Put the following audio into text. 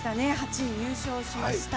８位入賞しました。